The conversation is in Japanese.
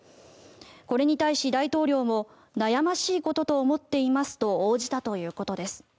これに対し大統領も悩ましいことと思っていますと応じたということです。